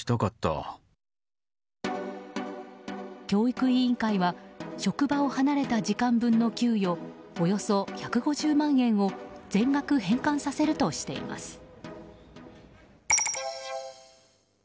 教育委員会は職場を離れた時間分の給与およそ１５０万円を全額返還させるとしています。